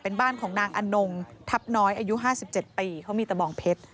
เป็นบ้านของนางอนงทับน้อยอายุห้าสิบเจ็ดปีเขามีตะบองเพชร